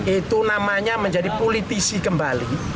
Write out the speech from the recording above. itu namanya menjadi politisi kembali